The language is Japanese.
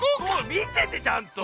みててちゃんと！